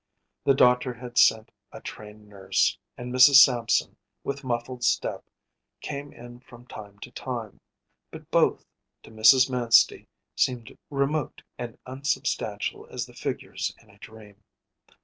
The doctor had sent a trained nurse, and Mrs. Sampson, with muffled step, came in from time to time; but both, to Mrs. Manstey, seemed remote and unsubstantial as the figures in a dream.